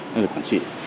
nâng cao về quản trị